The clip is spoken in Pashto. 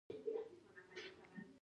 شکر کول نعمتونه زیاتوي او برکت اچوي.